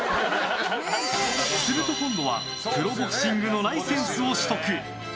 すると今度はプロボクシングのライセンスを取得。